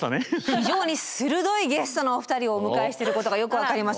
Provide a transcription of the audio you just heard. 非常に鋭いゲストのお二人をお迎えしてることがよく分かります。